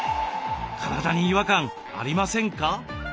体に違和感ありませんか？